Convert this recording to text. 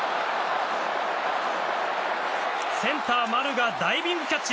センター、丸がダイビングキャッチ。